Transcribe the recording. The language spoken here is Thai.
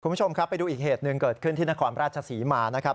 คุณผู้ชมครับไปดูอีกเหตุหนึ่งเกิดขึ้นที่นครราชศรีมานะครับ